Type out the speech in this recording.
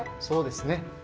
そうですね。